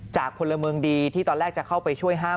จากพลมรรมีที่ตอนแรกจะเข้าไปช่วยห้าม